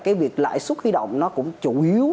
cái việc lãi suất huy động nó cũng chủ yếu